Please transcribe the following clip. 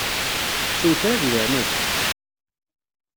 Sew kra deg leɛnaya-k!